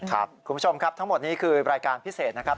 คุณผู้ชมครับทั้งหมดนี้คือรายการพิเศษนะครับ